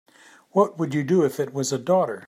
What would you do if it was a daughter?